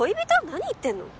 何言ってんの？